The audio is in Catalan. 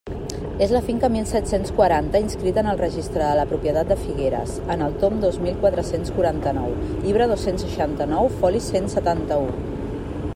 És la finca mil sis-cents quaranta, inscrita en el Registre de la Propietat de Figueres, en el tom dos mil quatre-cents quaranta-nou, llibre dos-cents seixanta-nou, foli cent setanta-u.